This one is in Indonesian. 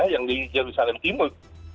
yang di jerusalem timur